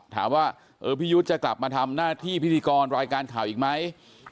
ถามว่าพี่ยุทธ์จะกลับมาทำหน้าที่พิธีกรรายการข่าวอีกไหม